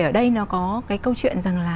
ở đây nó có cái câu chuyện rằng là